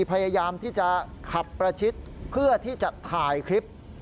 พยายามที่จะขับประชิดเพื่อที่จะถ่ายคลิป